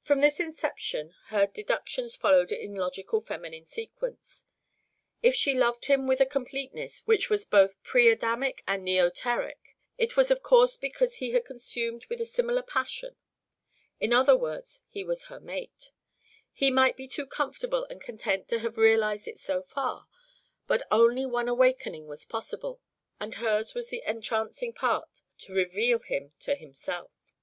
From this inception her deductions followed in logical feminine sequence. If she loved him with a completeness which was both preadamic and neoteric, it was of course because he was consumed with a similar passion; in other words he was her mate. He might be too comfortable and content to have realised it so far, but only one awakening was possible, and hers was the entrancing part to reveal him to himself.